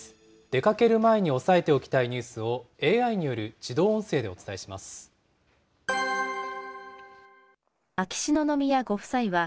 出かける前に押さえておきたいニュースを、ＡＩによる自動音声で秋篠宮ご夫妻は、